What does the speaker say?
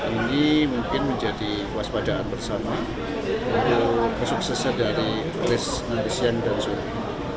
ini mungkin menjadi waspadaan bersama untuk suksesnya dari race nanti siang dan sore